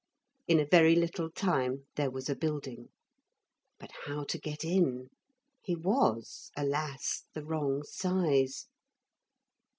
In a very little time there was a building. But how to get in. He was, alas, the wrong size.